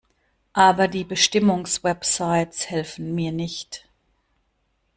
Aber die Bestimmungswebsites helfen mir nicht.